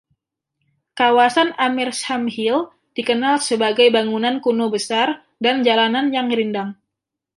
Kawasan Amersham Hill dikenal dengan bangunan kuno besar dan jalanan yang rindang.